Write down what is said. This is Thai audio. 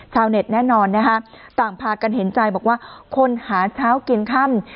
เน็ตแน่นอนนะฮะต่างพากันเห็นใจบอกว่าคนหาเช้ากินค่ำ